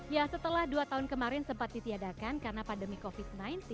ya setelah dua tahun kemarin sempat ditiadakan karena pandemi covid sembilan belas